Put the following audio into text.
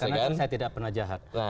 karena saya tidak pernah jahat